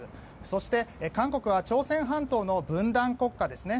そして、韓国は朝鮮半島の分断国家ですね。